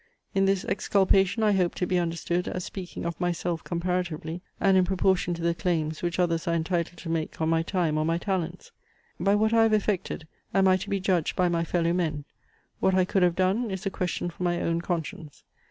In this exculpation I hope to be understood as speaking of myself comparatively, and in proportion to the claims, which others are entitled to make on my time or my talents. By what I have effected, am I to be judged by my fellow men; what I could have done, is a question for my own conscience.